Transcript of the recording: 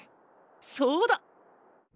そうだ！